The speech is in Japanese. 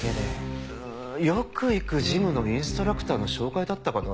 うーんよく行くジムのインストラクターの紹介だったかな？